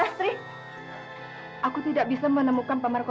saya nggak bisa mengatakannya pak